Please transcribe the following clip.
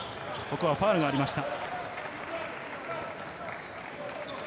ファウルがありました。